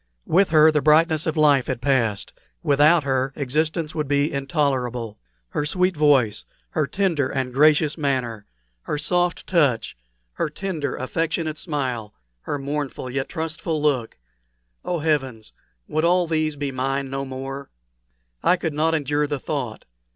With her the brightness of life had passed; without her existence would be intolerable. Her sweet voice, her tender and gracious manner, her soft touch, her tender, affectionate smile, her mournful yet trustful look oh, heavens! would all these be mine no more? I could not endure the thought.